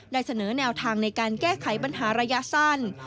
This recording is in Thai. เสนอแนวทางในการแก้ไขปัญหาระยะสั้น